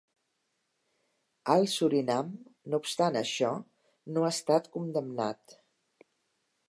Al Surinam, no obstant això, no ha estat condemnat.